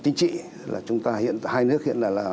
chính trị là hai nước hiện là